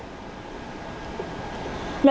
nội dung địa hình khu vực